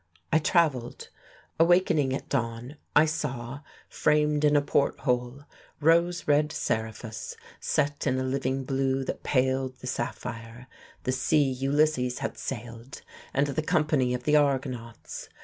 I travelled. Awakening at dawn, I saw, framed in a port hole, rose red Seriphos set in a living blue that paled the sapphire; the seas Ulysses had sailed, and the company of the Argonauts.